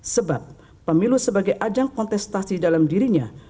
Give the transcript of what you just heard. sebab pemilu sebagai ajang kontestasi dalam dirinya